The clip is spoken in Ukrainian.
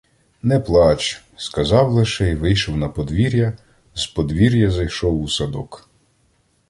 Не плач!—сказав лише й вийшов на подвір'я, з подвір'я зайшов у садок.